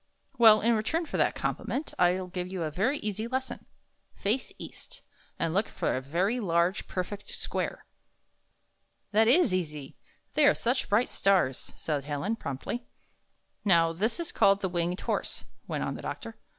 "Well, in return for that compliment, I'll give you a yery easy lesson. Face east, and look for a very large, perfect square." "That is easy; they are such bright stars," said Helen, promptly. 51 ''Now, this is called the Winged Horse," went on the doctor.